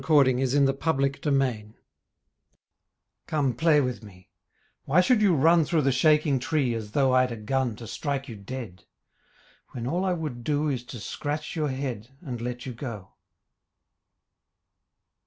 TO A SQUIRREL AT KYLE NA GNO Come play with me; Why should you run Through the shaking tree As though I'd a gun To strike you dead? When all I would do Is to scratch your head And let you go.